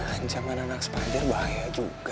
ancam anak anak sepandir bahaya juga